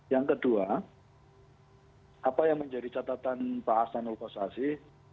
yang kedua apa yang menjadi catatan pak hasanul kossasi